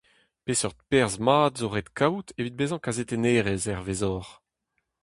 Peseurt perzh mat zo ret kaout evit bezañ kazetennerez hervezoc'h ?